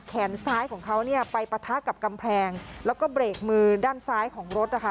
แขนซ้ายของเขาเนี่ยไปปะทะกับกำแพงแล้วก็เบรกมือด้านซ้ายของรถนะคะ